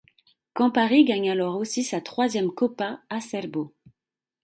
Campari gagne alors aussi sa troisième Coppa Acerbo.